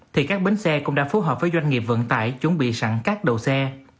thì các bến xe cũng đã phối hợp với doanh nghiệp vận tải chuẩn bị sẵn các đầu xe